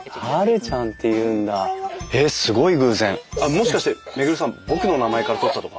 もしかして周さん僕の名前から取ったとか？